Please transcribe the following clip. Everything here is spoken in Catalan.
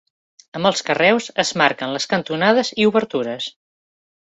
Amb els carreus es marquen les cantonades i obertures.